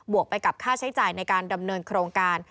วกไปกับค่าใช้จ่ายในการดำเนินโครงการ